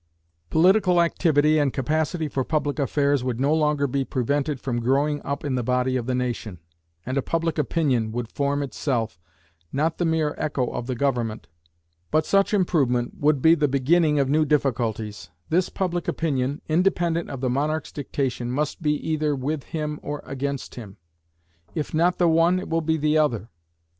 Political activity and capacity for public affairs would no longer be prevented from growing up in the body of the nation, and a public opinion would form itself, not the mere echo of the government. But such improvement would be the beginning of new difficulties. This public opinion, independent of the monarch's dictation, must be either with him or against him; if not the one, it will be the other.